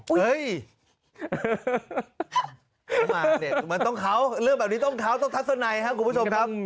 เหมือนต้องเค้าเรื่องแบบนี้ต้องเค้าต้องทักสนัยครับ